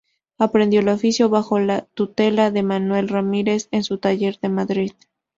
Aprendió el oficio bajo la tutela de Manuel Ramírez en su taller de Madrid.